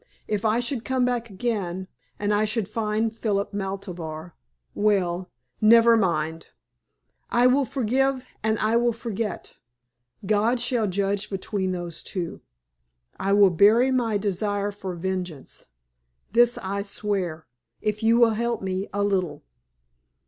If I should come back again, and I should find Philip Maltabar well never mind. I will forgive, and I will forget. God shall judge between those two I will bury my desire for vengeance. This I swear if you will help me a little."